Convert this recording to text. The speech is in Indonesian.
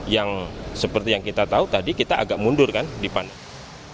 yang seperti yang kita tahu tadi kita agak mundur kan di pan